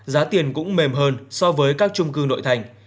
giá tiền cũng mềm hơn so với các trung cư nội thành